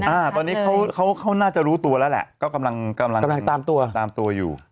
เห็นหน้าชัดเลยอ่าตอนนี้เขาน่าจะรู้ตัวแล้วแหละกำลังตามตัวอยู่